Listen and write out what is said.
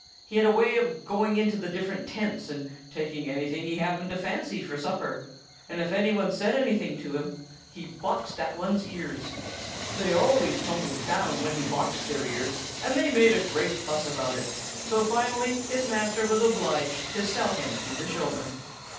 He had a way of going into the different tents and taking anything he happened to fancy for supper; and if any one said anything to him, he boxed that one's ears. They always tumbled down when he boxed their ears, and they made a great fuss about it, and so finally his master was obliged to sell him to the showman.